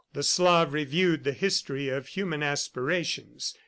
The Slav reviewed the history of human aspirations.